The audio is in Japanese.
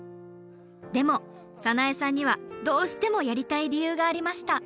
でも早苗さんにはどうしてもやりたい理由がありました。